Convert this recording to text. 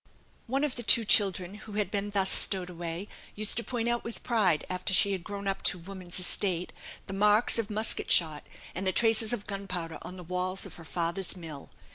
One of the two children who had been thus stowed away used to point out with pride, after she had grown up to woman's estate, the marks of musket shot, and the traces of gunpowder on the walls of her father's mill.